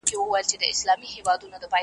په دې شعر به څوک پوه سي .